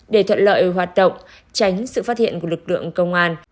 để thuận lợi hoạt động tránh sự phát hiện của lực lượng công an